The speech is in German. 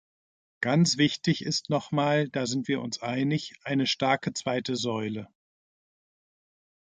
Ganz wichtig ist nochmal, da sind wir uns einig, eine starke zweite Säule.